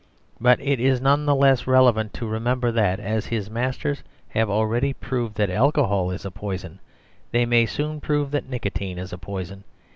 But it is none the less relevant to remember that, as his masters have already proved that alcohol is a poison, they may soon prove that nicotine is a poison.